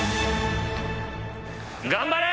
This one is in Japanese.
頑張れ！